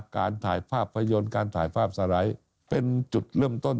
การถ่ายภาพยนตร์การถ่ายภาพสไลด์เป็นจุดเริ่มต้น